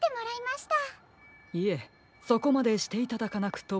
いえそこまでしていただかなくとも。